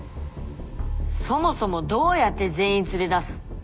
そもそもどうやって全員連れ出す？